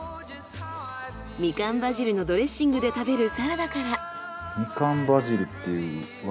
みかんバジルのドレッシングで食べるサラダから。